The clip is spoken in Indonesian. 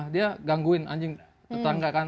dia gangguin anjing tetangga kan